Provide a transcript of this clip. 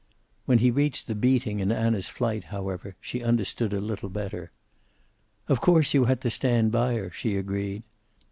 When he reached the beating and Anna's flight, however, she understood a little better. "Of course you had to stand by her," she agreed.